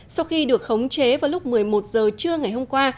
sau khi được khống chế vào lúc một mươi một h trưa ngày hôm qua